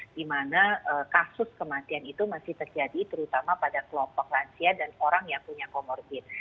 di mana kasus kematian itu masih terjadi terutama pada kelompok lansia dan orang yang punya comorbid